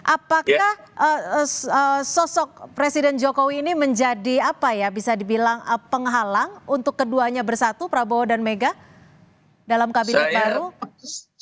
apakah sosok presiden jokowi ini menjadi apa ya bisa dibilang penghalang untuk keduanya bersatu prabowo dan mega dalam kabinet baru